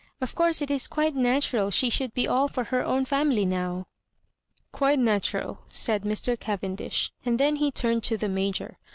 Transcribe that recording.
Of course it is quite natural she should be all for her own family now." " Quite natural," said Mr. Cavendish, and then he turned to the Major.